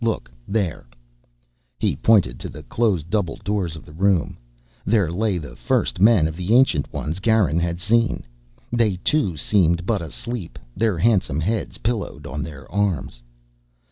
Look there " He pointed to the closed double doors of the room. There lay the first men of the Ancient Ones Garin had seen. They, too, seemed but asleep, their handsome heads pillowed on their arms.